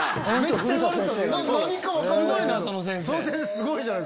すごいな！